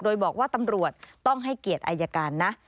โดยบอกว่าตำรวจต้องให้เกียรติอายการนะ